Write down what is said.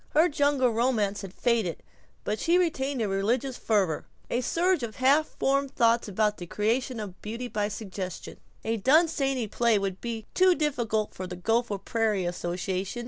Her jungle romance had faded, but she retained a religious fervor, a surge of half formed thought about the creation of beauty by suggestion. A Dunsany play would be too difficult for the Gopher Prairie association.